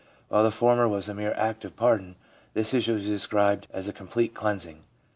While the former was a mere act of pardon, this is usually described as a complete cleansing.